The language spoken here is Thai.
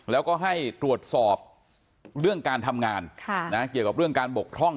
แล้วก็ให้ตรวจสอบเรื่องการทำงานเกี่ยวกับเรื่องการบกพร่อง